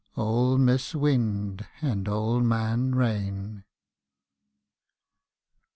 Old Mis' Wind and Old Man Rain.